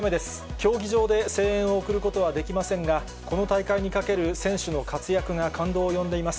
競技場で声援を送ることはできませんが、この大会にかける選手の活躍が感動を呼んでいます。